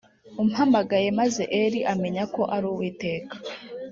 umpamagaye maze eli amenya ko ari uwiteka